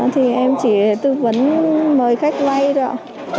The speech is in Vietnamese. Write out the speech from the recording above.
thì em chỉ tư vấn mời khách vay thôi